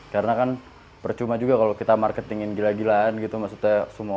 karena kan percuma juga kalau kita marketingin gila gilaan gitu maksudnya semua